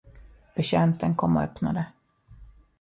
Betjänten kom och öppnade.